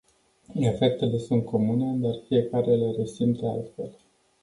Efectele sunt comune, dar fiecare le resimte altfel.